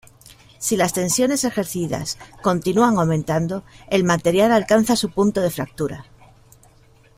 Si las tensiones ejercidas continúan aumentando el material alcanza su punto de fractura.